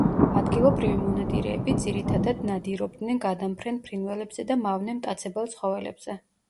ადგილობრივი მონადირეები ძირითადად ნადირობდნენ გადამფრენ ფრინველებზე და მავნე მტაცებელ ცხოველებზე.